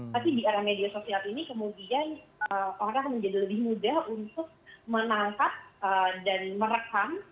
tapi di era media sosial ini kemudian orang menjadi lebih mudah untuk menangkap dan merekam